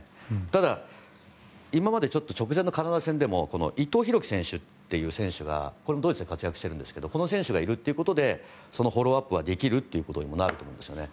ただ、今まで直前のカナダ戦でも伊藤洋輝選手という選手がこれもドイツで活躍しているんですがこの選手がいるということでフォローアップができるということになるんですね。